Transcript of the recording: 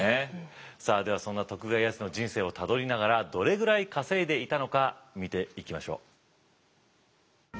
さあではそんな徳川家康の人生をたどりながらどれぐらい稼いでいたのか見ていきましょう。